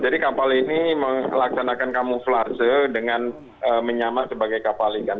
jadi kapal ini melaksanakan kamuflase dengan menyamak sebagai kapal lintas